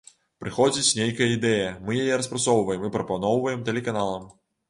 Прыходзіць нейкая ідэя, мы яе распрацоўваем і прапаноўваем тэлеканалам.